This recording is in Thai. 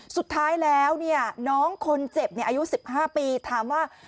สุดท้ายแล้วน้องคนเจ็บอายุ๑๕ปีถามว่า